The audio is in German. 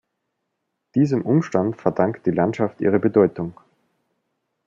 Diesem Umstand verdankt die Landschaft ihre Bedeutung.